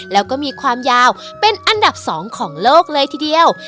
แล้วก็มีความยาวเป็นอันดับ๒ของโลกเลยทีเดียว